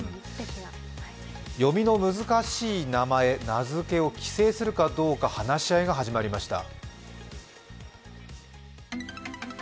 読みの難しい名前、名付けを規制するかどうか話し合いが始まりました。